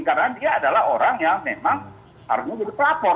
karena dia adalah orang yang memang harusnya jadi pelapor